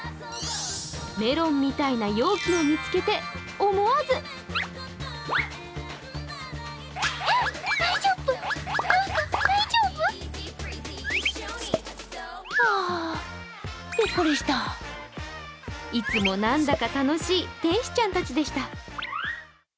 メロンみたいな容器を見つけて思わずいつも何だか楽しい天使ちゃんたちでした。